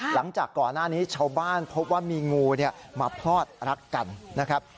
หลังจากก่อนหน้านี้ชาวบ้านพบว่ามีงูมาพลอดรักกันนะครับ